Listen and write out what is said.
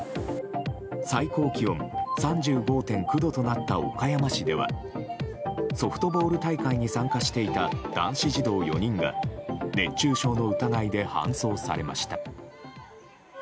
最高気温３５．９度となった岡山市ではソフトボール大会に参加していた男子児童４人が熱中症の疑いで搬送されました。